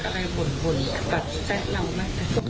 แบบจะนำไหม